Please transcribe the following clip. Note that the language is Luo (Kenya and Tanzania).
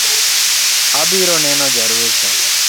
Abiyo neno ja ruecho